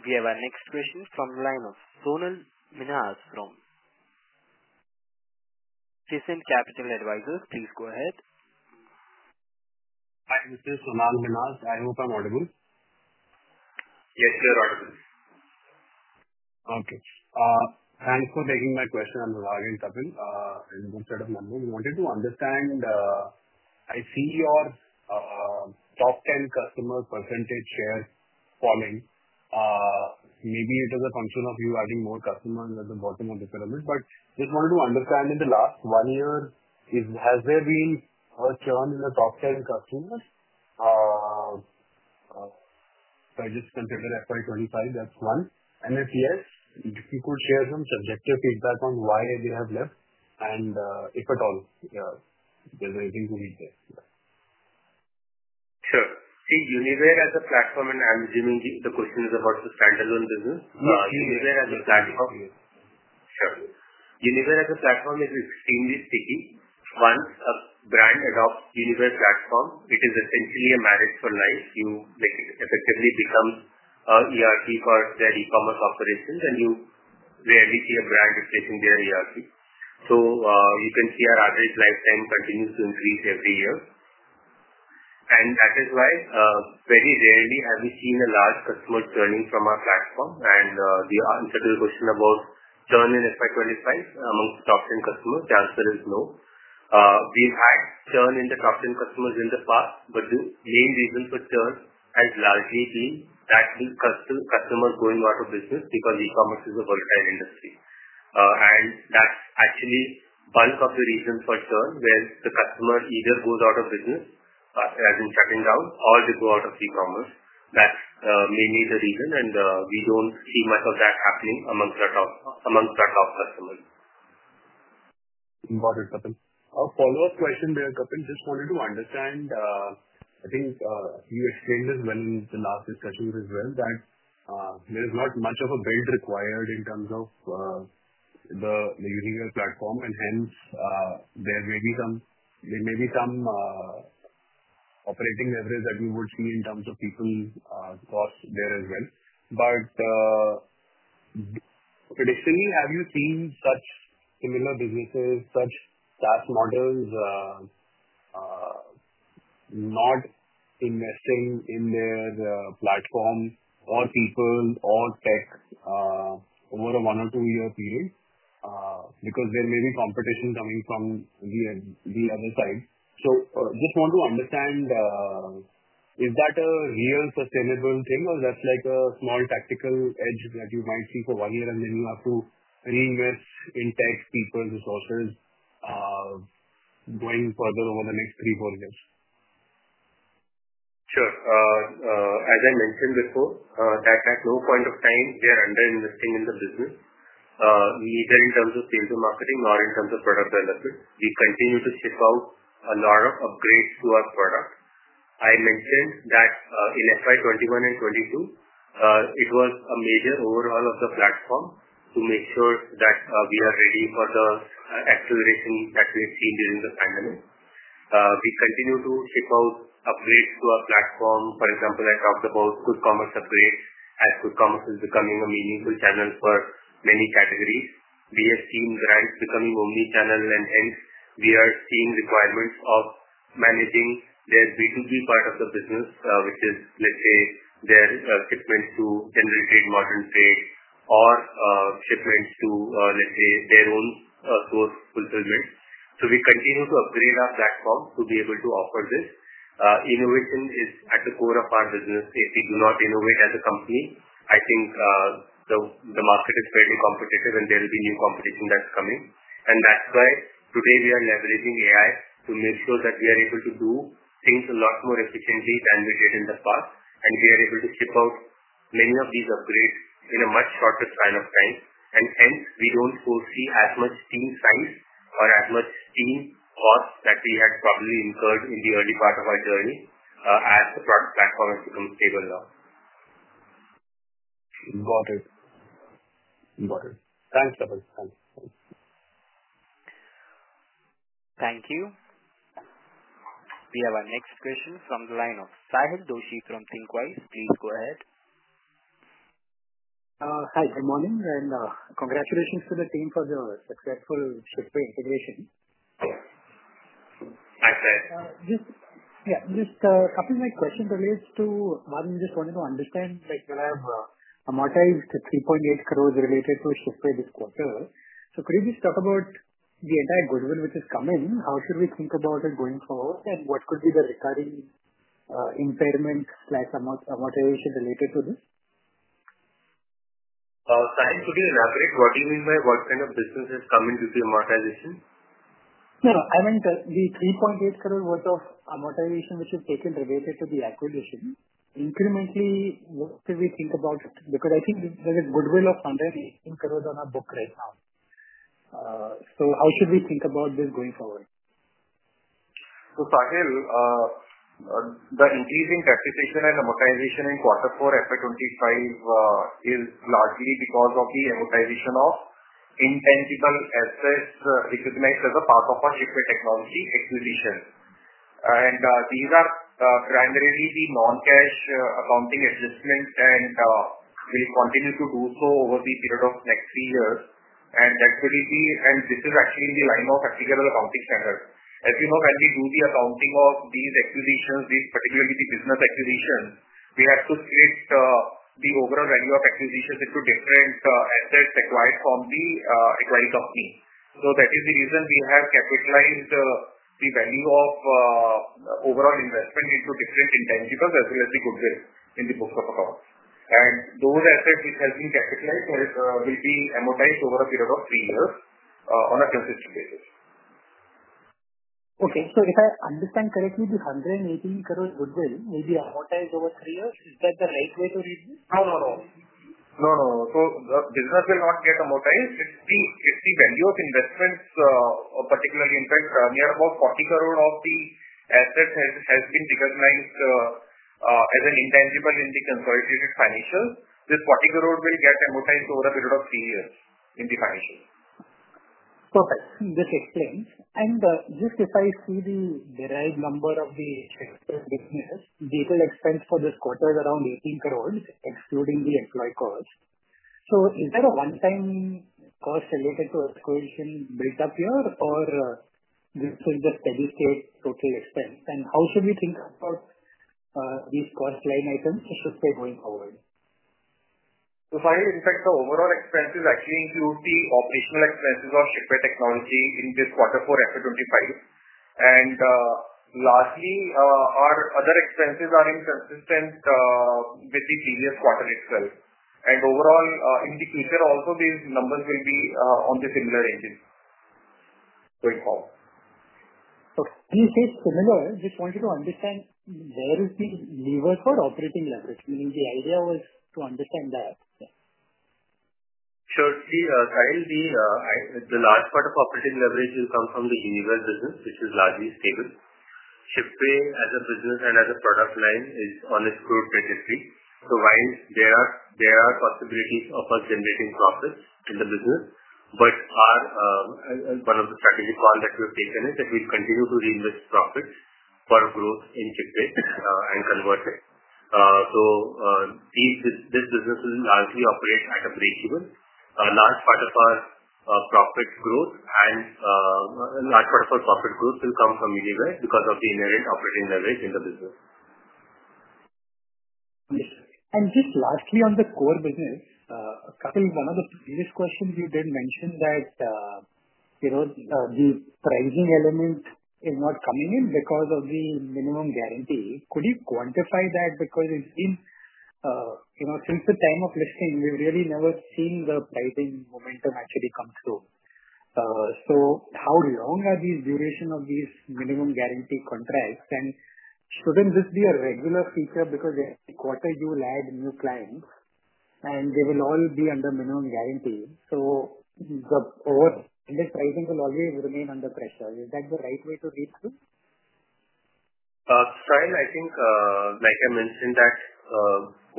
We have our next question from the line of Sonal Minhaz from Tyson Capital Advisors. Please go ahead. Hi, this is Sonal Minhaz. I hope I'm audible. Yes, sir, audible. Okay. Thanks for taking my question. I'm Raghav Kapil in one set of numbers. I wanted to understand, I see your top 10 customer precentage share falling. Maybe it is a function of you adding more customers at the bottom of the pyramid. Just wanted to understand, in the last one year, has there been a churn in the top 10 customers? I just consider FY 2025, that's one. If yes, if you could share some subjective feedback on why they have left, and if at all, if there's anything to be said. Sure. See, Uniware as a platform, and I'm assuming the question is about the standalone business. Uniware as a platform. Sure. Uniware as a platform is extremely sticky. Once a brand adopts Uniware platform, it is essentially a marriage for life. It effectively becomes an ERP for their e-commerce operations, and you rarely see a brand replacing their ERP. You can see our average lifetime continues to increase every year. That is why very rarely have we seen a large customer turning from our platform. The answer to the question about churn in FY 2025 amongst top 10 customers, the answer is no. We've had churn in the top 10 customers in the past, but the main reason for churn has largely been that customers going out of business because e-commerce is a volatile industry. That's actually the bulk of the reason for churn, where the customer either goes out of business, as in shutting down, or they go out of e-commerce. That's mainly the reason, and we don't see much of that happening amongst our top customers. Got it, Kapil. A follow-up question there, Kapil. Just wanted to understand, I think you explained this well in the last discussions as well, that there is not much of a build required in terms of the Uniware platform, and hence there may be some operating leverage that you would see in terms of people cost there as well. Traditionally, have you seen such similar businesses, such SaaS models not investing in their platform or people or tech over a one or two-year period? Because there may be competition coming from the other side. Just want to understand, is that a real sustainable thing, or that's like a small tactical edge that you might see for one year, and then you have to reinvest in tech, people, resources going further over the next three, four years? Sure. As I mentioned before, at no point of time are we underinvesting in the business, neither in terms of sales and marketing nor in terms of product development. We continue to ship out a lot of upgrades to our product. I mentioned that in 2021 and 2022, it was a major overhaul of the platform to make sure that we are ready for the acceleration that we've seen during the pandemic. We continue to ship out upgrades to our platform. For example, I talked about Uniware upgrades as Uniware is becoming a meaningful channel for many categories. We have seen brands becoming omnichannel, and hence we are seeing requirements of managing their B2B part of the business, which is, let's say, their shipments to General Trade, Modern Trade, or shipments to, let's say, their own source fulfillment. We continue to upgrade our platform to be able to offer this. Innovation is at the core of our business. If we do not innovate as a company, I think the market is fairly competitive, and there will be new competition that's coming. That is why today we are leveraging AI to make sure that we are able to do things a lot more efficiently than we did in the past. We are able to ship out many of these upgrades in a much shorter span of time. Hence, we do not foresee as much team size or as much team cost that we had probably incurred in the early part of our journey as the product platform has become stable now. Got it. Got it. Thanks, Kapil. Thanks. Thank you. We have our next question from the line of Sahil Doshi from Thinqwise. Please go ahead. Hi, good morning, and congratulations to the team for the successful Shipway integration. Thanks, Sahil. Yeah. Just a couple of my questions relates to what we just wanted to understand. We have amortized 3.8 crore related to Shipway this quarter. Could you please talk about the entire goodwill which has come in? How should we think about it going forward, and what could be the recurring impairment/amortization related to this? Sahil, could you elaborate? What do you mean by what kind of business has come into the amortization? Sure. I meant the 3.8 crore worth of amortization which you've taken related to the acquisition. Incrementally, what could we think about? Because I think there is goodwill of 118 crore on our book right now. How should we think about this going forward? Sahil, the increasing taxation and amortization in quarter four FY 2025 is largely because of the amortization of intangible assets recognized as a part of our Shipway Technology Private Limited acquisition. These are primarily the non-cash accounting adjustments, and we will continue to do so over the period of the next three years. This is actually in line with ethical accounting standards. As you know, when we do the accounting of these acquisitions, particularly the business acquisitions, we have to split the overall value of acquisitions into different assets acquired from the acquired company. That is the reason we have capitalized the value of overall investment into different intangibles as well as the goodwill in the books of accounts. Those assets which have been capitalized will be amortized over a period of three years on a consistent basis. Okay. If I understand correctly, the 118 crore goodwill will be amortized over three years. Is that the right way to read this? No, no, no. The business will not get amortized. If the value of investments, particularly in fact, near about 40 crore of the assets has been recognized as an intangible in the consolidated financials, this 40 crore will get amortized over a period of three years in the financials. Perfect. This explains. Just if I see the derived number of the Shipway business, total expense for this quarter is around 18 crore, excluding the employee costs. Is there a one-time cost related to acquisition built up here, or is this the steady-state total expense? How should we think about these cost line items for Shipway going forward? Sahil, in fact, the overall expenses actually include the operational expenses of Shipway Technology in this quarter four FY 2025. Lastly, our other expenses are inconsistent with the previous quarter itself. Overall, in the future also, these numbers will be in the similar ranges going forward. Okay. When you say similar, just wanted to understand, where is the Uniware for operating leverage? Meaning the idea was to understand that. Sure. Sahil, the large part of operating leverage will come from the Uniware business, which is largely stable. Shipway as a business and as a product line is on its growth trajectory. While there are possibilities of us generating profits in the business, one of the strategic calls that we've taken is that we'll continue to reinvest profits for growth in Shipway and ConvertWay. This business will largely operate at a breakeven. A large part of our profit growth and a large part of our profit growth will come from Uniware because of the inherent operating leverage in the business. Understood. Just lastly on the core business, Kapil, one of the previous questions you did mention that the pricing element is not coming in because of the minimum guarantee. Could you quantify that? Because since the time of listing, we've really never seen the pricing momentum actually come through. How long are these durations of these minimum guarantee contracts? Shouldn't this be a regular feature? Every quarter you'll add new clients, and they will all be under minimum guarantee. The overall pricing will always remain under pressure. Is that the right way to read through? Sahil, I think, like I mentioned, that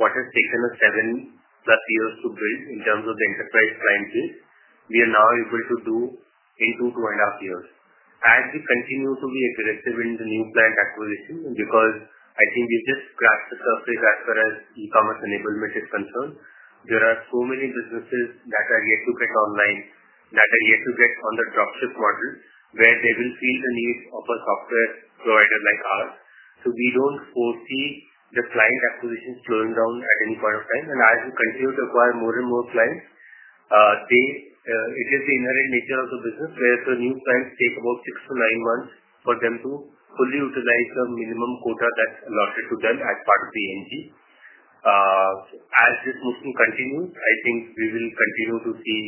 what has taken us seven plus years to build in terms of the enterprise client base, we are now able to do in two-two and a half years. As we continue to be aggressive in the new client acquisition, because I think we've just scratched the surface as far as e-commerce enablement is concerned, there are so many businesses that are yet to get online, that are yet to get on the dropship model, where they will feel the need of a software provider like ours. We do not foresee the client acquisitions slowing down at any point of time. As we continue to acquire more and more clients, it is the inherent nature of the business where the new clients take about six to nine months for them to fully utilize the minimum quota that's allotted to them as part of the MG. As this motion continues, I think we will continue to see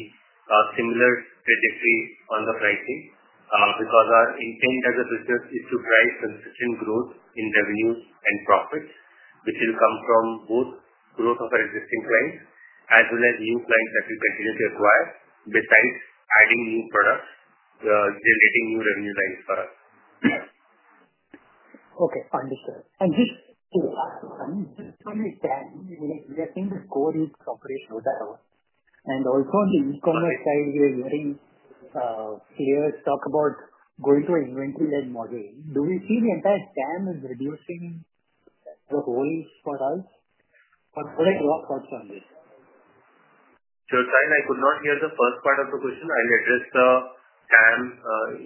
a similar trajectory on the pricing, because our intent as a business is to drive consistent growth in revenues and profits, which will come from both growth of our existing clients as well as new clients that we continue to acquire besides adding new products, generating new revenue lines for us. Okay. Understood. Just to understand, we are seeing the core is operational level. Also, on the e-commerce side, we are hearing clear talk about going to an inventory-led model. Do we see the entire TAM is reducing the holds for us? Could I drop parts on this? Sahil, I could not hear the first part of the question. I'll address the TAM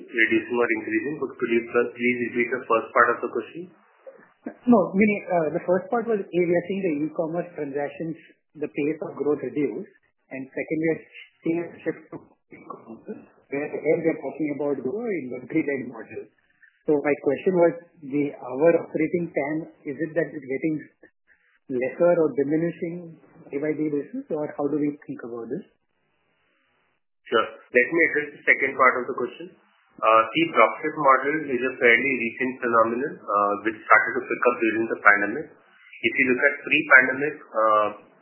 reducing or increasing, but could you please repeat the first part of the question? The first part was we are seeing the e-commerce transactions, the pace of growth reduced. Second, we are seeing a shift to e-commerce, where hence we are talking about going to an inventory-led model. My question was, our operating TAM, is it getting lesser or diminishing day by day, or how do we think about this? Sure. Let me address the second part of the question. Dropship model is a fairly recent phenomenon which started to pick up during the pandemic. If you look at pre-pandemic,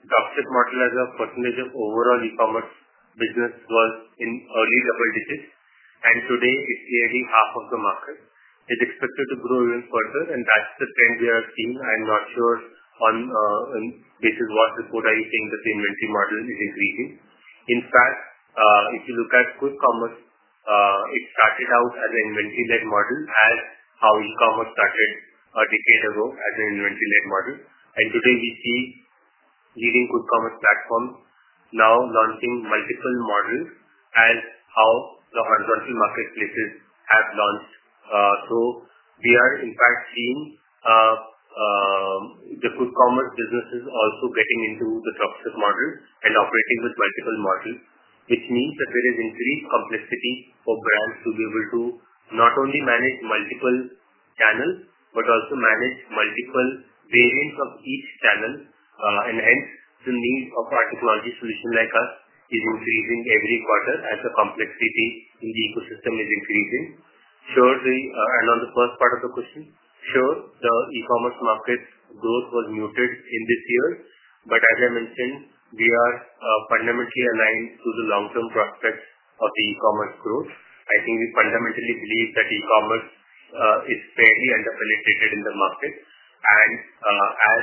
dropship model as a percentage of overall e-commerce business was in early double digits, and today it's nearly half of the market. It's expected to grow even further, and that's the trend we are seeing. I'm not sure on this is what report are you saying that the inventory model is increasing. In fact, if you look at Quick Commerce, it started out as an inventory-led model as how e-commerce started a decade ago as an inventory-led model. Today we see leading Quick Commerce platforms now launching multiple models as how the horizontal marketplaces have launched. We are in fact seeing the Quick Commerce businesses also getting into the dropship model and operating with multiple models, which means that there is increased complexity for brands to be able to not only manage multiple channels but also manage multiple variants of each channel. Hence the need of our technology solution like us is increasing every quarter as the complexity in the ecosystem is increasing. On the first part of the question, sure, the e-commerce market growth was muted in this year, but as I mentioned, we are fundamentally aligned to the long-term prospects of the e-commerce growth. I think we fundamentally believe that e-commerce is fairly underpenetrated in the market. As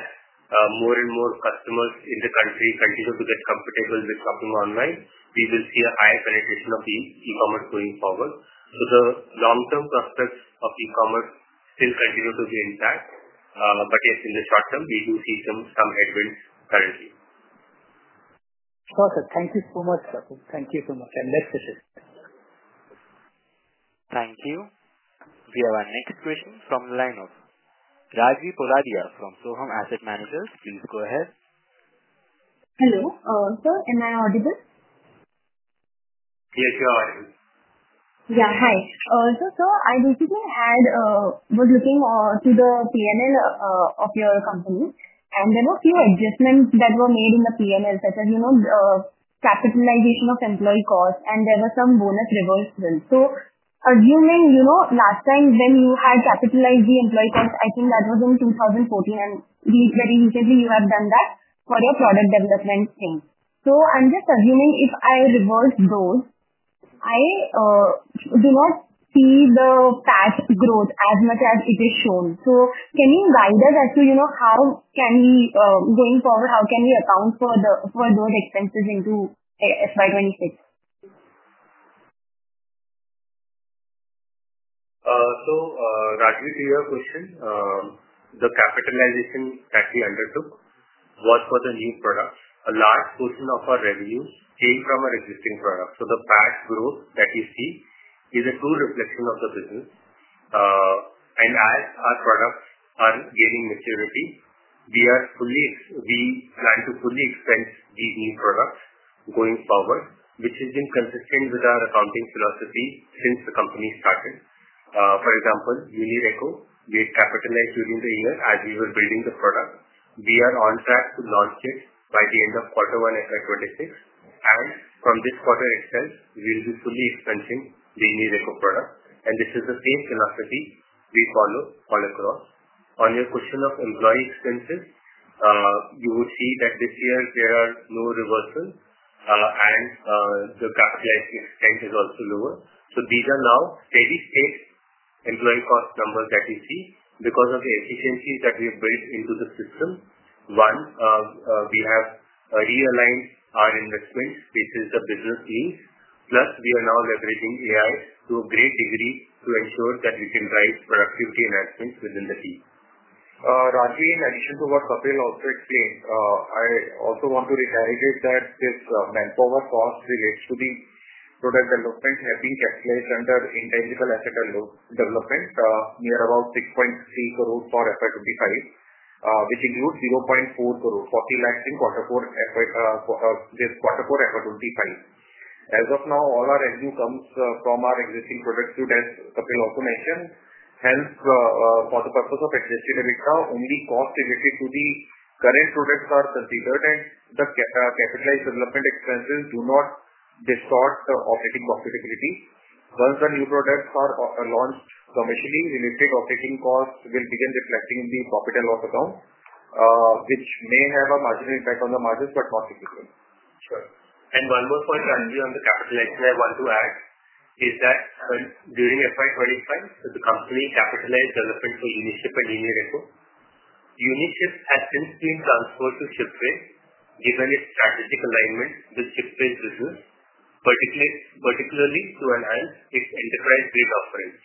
more and more customers in the country continue to get comfortable with shopping online, we will see a higher penetration of e-commerce going forward. The long-term prospects of e-commerce still continue to be intact. Yes, in the short term, we do see some headwinds currently. Got it. Thank you so much, Kapil. Thank you so much. Best wishes. Thank you. We have our next question from the line of Rajvi Poradia from Sohum Asset Managers. Please go ahead. Hello. Sir? Am I audible? Yes, you are audible. Yeah. Hi. So I basically was looking to the P&L of your company, and there were a few adjustments that were made in the P&L such as capitalization of employee costs, and there were some bonus reversals. So assuming last time when you had capitalized the employee costs, I think that was in 2014, and very recently you have done that for your product development team. So I'm just assuming if I reverse those, I do not see the patch growth as much as it is shown. Can you guide us as to how can we going forward, how can we account for those expenses into FY 2026? Rajvi, to your question, the capitalization that we undertook was for the new products. A large portion of our revenues came from our existing products. The patch growth that you see is a true reflection of the business. As our products are gaining maturity, we plan to fully expense these new products going forward, which has been consistent with our accounting philosophy since the company started. For example, UniReco, we had capitalized during the year as we were building the product. We are on track to launch it by the end of quarter one FY 2026. From this quarter itself, we'll be fully expensing the UniReco product. This is the same philosophy we follow all across. On your question of employee expenses, you would see that this year there are no reversals, and the capitalized expense is also lower. These are now steady-state employee cost numbers that you see because of the efficiencies that we have built into the system. One, we have realigned our investments, which is the business needs. Plus, we are now leveraging AI to a great degree to ensure that we can drive productivity enhancements within the team. Rajvi, in addition to what Kapil also explained, I also want to reiterate that this manpower cost relates to the product development having capitalized under intangible asset development near about 6.3 crore for FY 2025, which includes 0.4 crore, 40 lakh in quarter four FY 2025. As of now, all our revenue comes from our existing products, as Kapil also mentioned. Hence, for the purpose of Adjusted EBITDA, only cost related to the current products are considered, and the capitalized development expenses do not distort the operating profitability. Once the new products are launched commercially, related operating costs will begin reflecting in the profit and loss account, which may have a marginal impact on the margins but not significant. Sure. One more point, Rajvi, on the capitalization I want to add is that during FY 2025, the company capitalized development for UniShip and UniReco. UniShip has since been transferred to Shipway given its strategic alignment with Shipway's business, particularly to enhance its enterprise-grade offerings.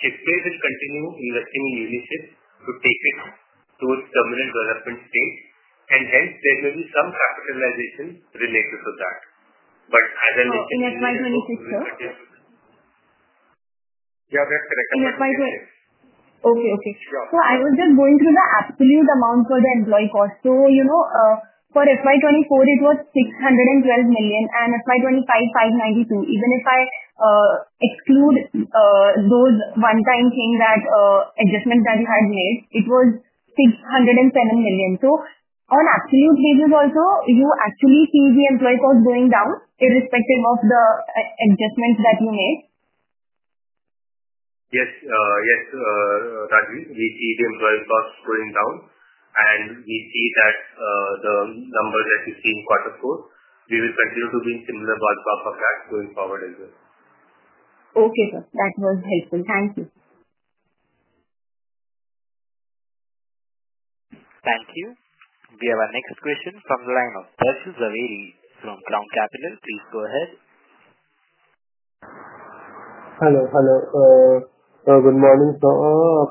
Shipway will continue investing in UniShip to take it to its terminal development stage, and hence there may be some capitalization related to that. As I mentioned earlier. in FY 2026, sir? Yeah, that's correct. In FY 2026. Okay, okay. I was just going through the absolute amount for the employee cost. For FY 2024, it was 612 million, and FY 2025, 592 million. Even if I exclude those one-time adjustments that you had made, it was 607 million. On absolute basis also, you actually see the employee cost going down irrespective of the adjustments that you made? Yes. Yes, Rajvi, we see the employee cost going down, and we see that the numbers that you see in quarter four, we will continue to be in similar ballpark of that going forward as well. Okay, sir. That was helpful. Thank you. Thank you. We have our next question from the line of Pershil Zaveri from Crown Capital. Please go ahead. Hello. Hello. Good morning, sir.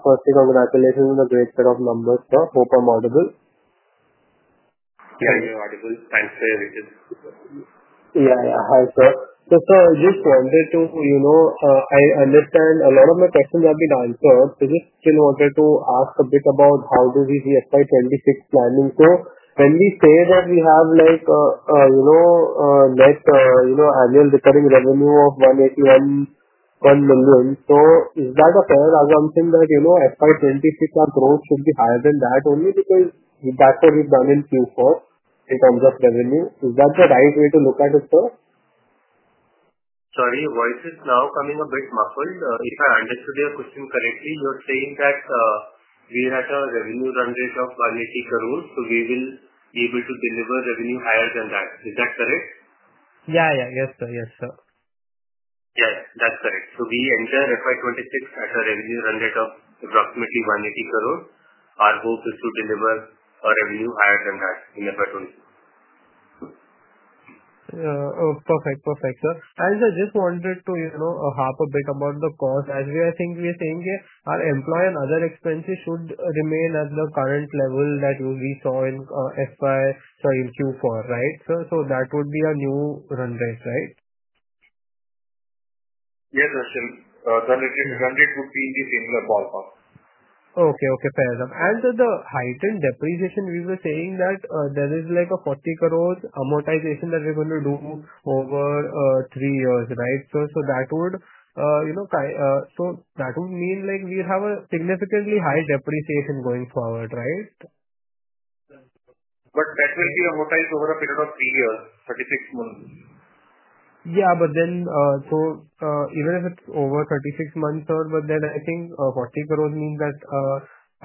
Firstly, congratulations on a great set of numbers, sir. Hope I'm audible. Yeah, you're audible. Thanks for your waiting. Yeah, yeah. Hi, sir. So sir, I just wanted to I understand a lot of my questions have been answered. So just still wanted to ask a bit about how do we see FY 2026 planning. When we say that we have a net annual recurring revenue of 181 million, is that a fair assumption that FY 2026 our growth should be higher than that only because that's what we've done in Quarter 4 in terms of revenue? Is that the right way to look at it, sir? Sorry, your voice is now coming a bit muffled. If I understood your question correctly, you're saying that we had a revenue run rate of 180 crore, so we will be able to deliver revenue higher than that. Is that correct? Yeah, yeah. Yes, sir. Yes, sir. Yes, that's correct. We enter FY 2026 at a revenue run rate of approximately 180 crore. Our hope is to deliver a revenue higher than that in FY 2026. Perfect. Perfect, sir. I just wanted to harp a bit about the cost. As I think we are saying here, our employee and other expenses should remain at the current level that we saw in FY, sorry, in Q4, right? That would be a new run rate, right? Yes, sir. Run rate would be in the similar ballpark. Okay. Okay. Fair enough. The heightened depreciation, we were saying that there is a 40 crore amortization that we are going to do over three years, right? That would mean we have a significantly higher depreciation going forward, right? That will be amortized over a period of three years, 36 months. Yeah, even if it is over 36 months, sir, I think 40 crore means that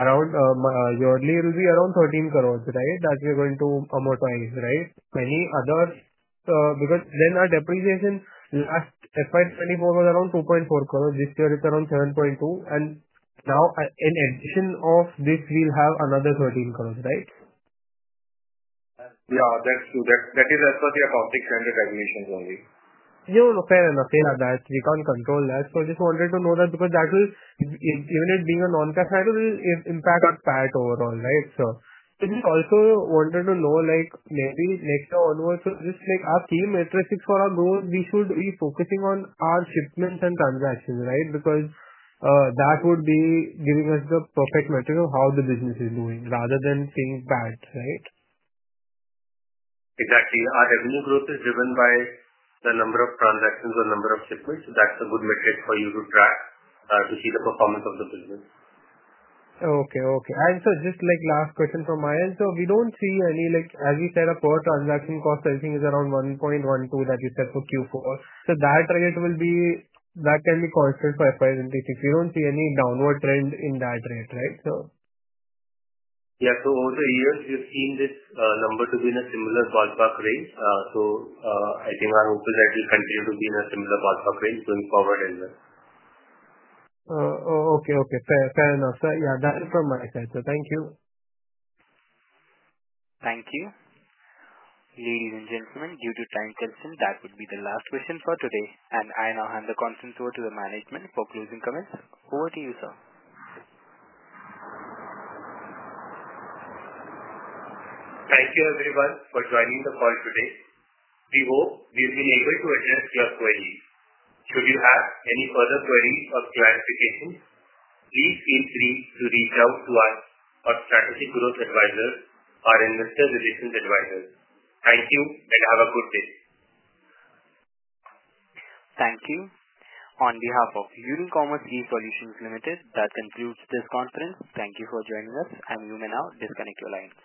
yearly it will be around 13 crore that we are going to amortize, right? Any other, because our depreciation last FY 2024 was around INR 2.4 crore. This year it's around INR 7.2 crore. In addition to this, we'll have another INR 13 crore, right? Yeah, that's true. That is as per the acoustic standard regulations only. No, no. Fair enough. We can't control that. I just wanted to know that because that will, even it being a non-cash item, it will impact PAT overall, right, sir? We also wanted to know maybe next year onwards, just our key metrics for our growth, we should be focusing on our shipments and transactions, right, because that would be giving us the perfect metric of how the business is doing rather than seeing PAT, right? Exactly. Our revenue growth is driven by the number of transactions or number of shipments. That's a good metric for you to track to see the performance of the business. Okay. Okay. Just last question from my end. We do not see any, as we said, our per transaction cost, I think, is around 1.12 that you said for Q4. That rate will be, that can be constant for FY 2026. We do not see any downward trend in that rate, right, sir? Yeah. Over the years, we have seen this number to be in a similar ballpark range. I think our hope is that it will continue to be in a similar ballpark range going forward as well. Okay. Okay. Fair enough, sir. Yeah, that's it from my side, sir. Thank you. Thank you. Ladies and gentlemen, due to time constraints, that would be the last question for today. I now hand the conference over to the management for closing comments. Over to you, sir. Thank you, everyone, for joining the call today. We hope we have been able to address your queries. Should you have any further queries or clarifications, please feel free to reach out to us or Strategic Growth Advisors or Investor Relations advisors. Thank you and have a good day. Thank you. On behalf of Unicommerce eSolutions Limited, that concludes this conference. Thank you for joining us, and you may now disconnect your line.